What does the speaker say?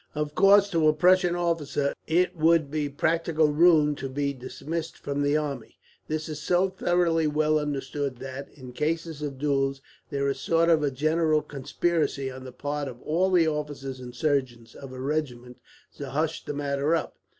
"Of course, to a Prussian officer it would be practical ruin to be dismissed from the army. This is so thoroughly well understood that, in cases of duels, there is a sort of general conspiracy on the part of all the officers and surgeons of a regiment to hush the matter up.